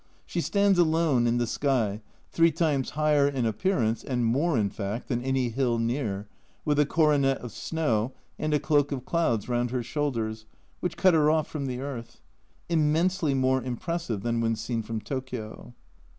She stands alone in the sky, three times higher in appearance (and more in fact) than any hill near, with a coronet of snow, and a cloak of clouds round her shoulders, which cut her off from the earth. Immensely more impressive than when seen from Tokio.